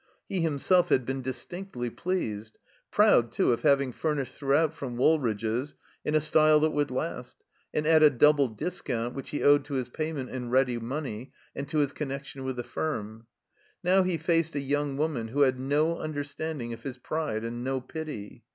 He him self had been distinctly pleased; proud, too, of hav ing furnished throughout from Woolridge's, in a style that would last, and at a double discotmt which he owed to his payment in ready money, and to his connection with the firm. Now he faced a yotmg woman who had no under standing of his pride and no pity.